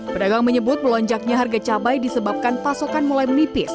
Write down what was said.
pedagang menyebut melonjaknya harga cabai disebabkan pasokan mulai menipis